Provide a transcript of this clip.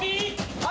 はい。